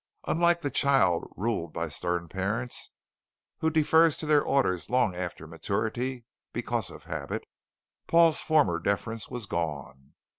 Unlike the child, ruled by stern parents, who defers to their orders long after maturity because of habit, Paul's former deference was gone.